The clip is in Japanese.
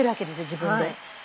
自分で。